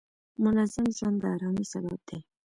منظم ژوند د آرامۍ سبب دی.